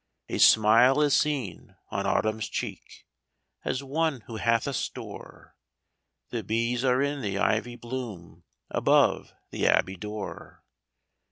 A smile is seen on Autumn's cheek, As one who hath a store ; The bees are in the ivy bloom, Above the abbey door.